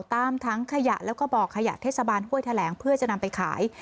ทั้งขยะแล้วก็บ่อขยะเทศบาลห้วยแถลงเพื่อจะนำไปขาย